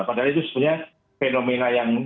padahal itu sebenarnya fenomena yang